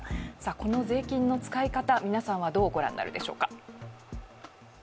この税金の使い方、皆さんはどうご覧になるでしょうか。